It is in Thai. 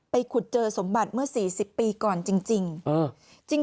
ขุดเจอสมบัติเมื่อ๔๐ปีก่อนจริง